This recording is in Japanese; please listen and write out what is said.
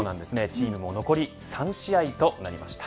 チームも残り３試合となりました。